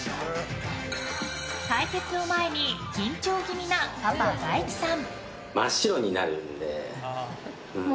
対決を前に緊張気味なパパ、大輝さん。